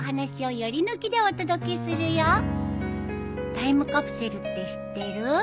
タイムカプセルって知ってる？